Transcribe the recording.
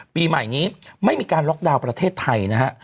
ปีใหม่นี้ไม่มีการล็อกดาวน์ประเทศไทยนะฮะ